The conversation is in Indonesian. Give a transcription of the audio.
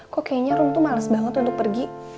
kok kayaknya rum tuh males banget untuk pergi